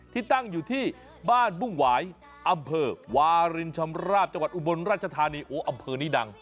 ที่ตั้งอยู่ที่บ้านมุ่งหวายอำเภอวารินชำราบจังหวัดอุบลราชธานีโอ้อำเภอนี้ดัง